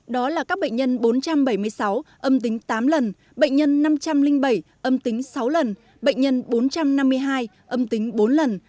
đó là các bệnh nhân bốn trăm bảy mươi sáu âm tính tám lần bệnh nhân năm trăm linh bảy âm tính sáu lần bệnh nhân bốn trăm năm mươi hai âm tính bốn lần